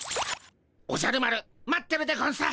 おじゃる丸待ってるでゴンス。